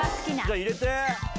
じゃあ入れて。